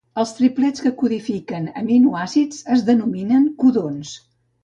Els triplets que codifiquen aminoàcids es denominen codons.